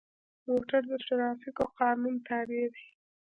موټر د ټرافیکو قانون تابع دی.